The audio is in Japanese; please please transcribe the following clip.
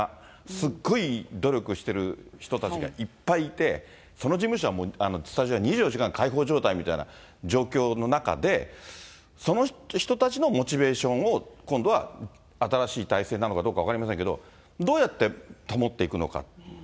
すっごい努力してる人たちがいっぱいいて、そのスタジオは２４時間開放状態みたいな状況の中で、その人たちのモチベーションを、今度は新しい体制なのかどうか分かりませんけど、どうやって保っていくのか。